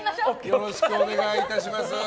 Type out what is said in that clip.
よろしくお願いします。